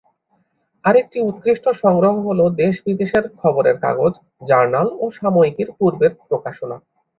আরেকটি উৎকৃষ্ট সংগ্রহ হলো দেশ-বিদেশের খবরের কাগজ, জার্নাল ও সাময়িকীর পূর্বের প্রকাশনা।